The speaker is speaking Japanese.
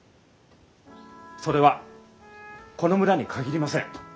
それはこの村に限りません。